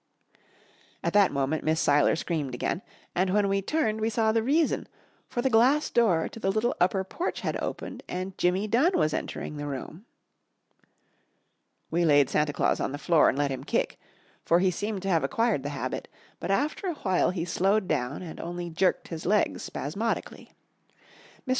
At that moment Miss Seiler screamed again, and when we turned we saw the reason, for the glass door to the little upper porch had opened and Jimmy Dunn was entering the room. We laid Santa Claus on the floor and let him kick, for he seemed to have acquired the habit, but after awhile he slowed down and only jerked his legs spasmodically. Mr.